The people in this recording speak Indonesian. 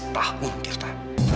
delapan belas tahun tirta